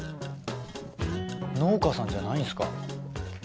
農家さんじゃないんですか？